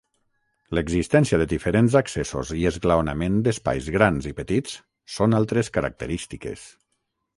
L'existència de diferents accessos i l'esglaonament d'espais grans i petits, són altres característiques.